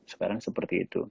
sekarang seperti itu